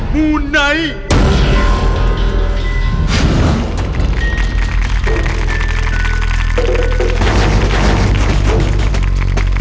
มูไนท์